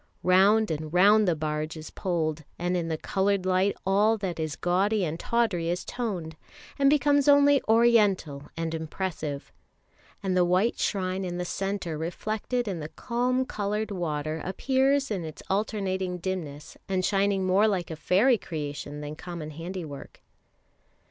Round and round the barge is poled, and in the coloured light all that is gaudy and tawdry is toned, and becomes only oriental and impressive; and the white shrine in the centre reflected in the calm coloured water appears in its alternating dimness, and shining more like a fairy creation than common handiwork.